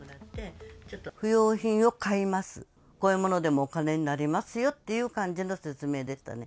不要品を買います、こういうものでもお金になりますよっていう感じの勧めでしたね。